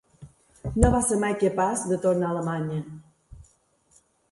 No va ser mai capaç de tornar a Alemanya.